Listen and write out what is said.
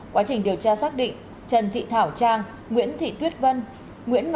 quá trình điều tra xác định trần thị thảo trang nguyễn thị tuyết vân